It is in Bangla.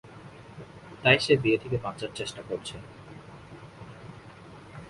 তাই সে বিয়ে থেকে বাঁচার চেষ্টা করছে।